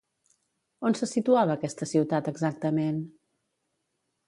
On se situava aquesta ciutat exactament?